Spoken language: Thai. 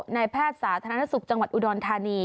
แพทย์สาธารณสุขจังหวัดอุดรธานี